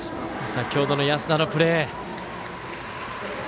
先程の安田のプレー。